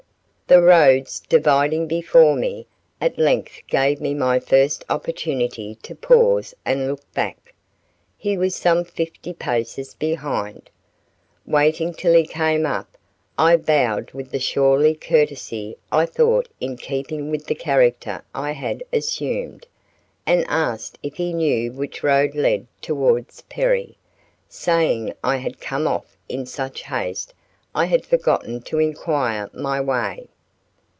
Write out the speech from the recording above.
The roads dividing before me, at length gave me my first opportunity to pause and look back. He was some fifty paces behind. Waiting till he came up, I bowed with the surly courtesy I thought in keeping with the character I had assumed, and asked if he knew which road led towards Perry, saying I had come off in such haste I had forgotten to inquire my way.